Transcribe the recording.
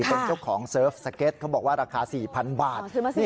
เป็นเจ้าของเซิร์ฟสเก็ตเขาบอกว่าราคา๔๐๐๐บาท